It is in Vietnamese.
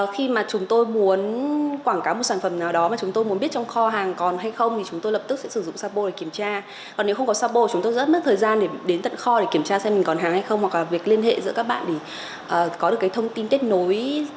việc liên hệ giữa các bạn để có được thông tin kết nối